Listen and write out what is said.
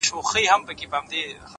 o كه دي زما ديدن ياديږي،